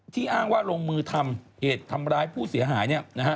อ้างว่าลงมือทำเหตุทำร้ายผู้เสียหาย